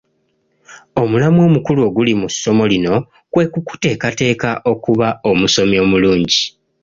Omulamwa omukulu oguli mu essomo lino kwe kukuteekateeka okuba omusomi omulungi.